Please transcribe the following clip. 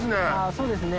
そうですね。